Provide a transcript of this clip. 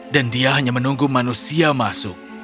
dan dia hanya menunggu manusia masuk